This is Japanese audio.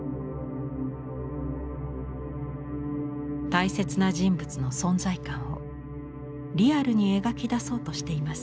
大切な人物の存在感をリアルに描き出そうとしています。